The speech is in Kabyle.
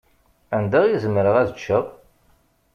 Anda i zemreɣ ad ččeɣ?